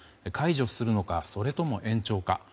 解除するのか、それとも延長か。